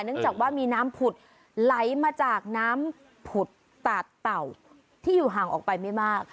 เนื่องจากว่ามีน้ำผุดไหลมาจากน้ำผุดตาดเต่าที่อยู่ห่างออกไปไม่มาก